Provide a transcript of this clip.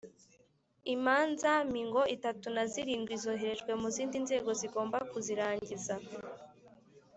imanza mingo itatu na zirindwi zoherejwe mu zindi nzego zigomba kuzirangiza.